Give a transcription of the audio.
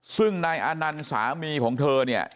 ซึ่งนายอานันต์สามีของเธอเนี่ย